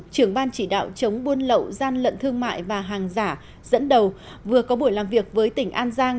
trưởng ban chỉ đạo chống buôn lậu gian lận thương mại và hàng giả dẫn đầu vừa có buổi làm việc với tỉnh an giang